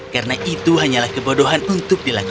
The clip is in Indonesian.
karena itu hanyalah kebodohan untuk dilakukan